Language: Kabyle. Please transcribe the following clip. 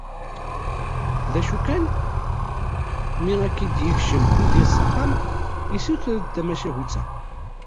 D acu kan, mi akka i d-yekcem umedyaz s axxam, issuter-d tamacahut-a.